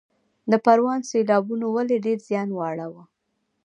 د پروان سیلابونو ولې ډیر زیان واړوه؟